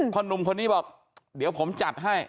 หนุ่มคนนี้บอกเดี๋ยวผมจัดให้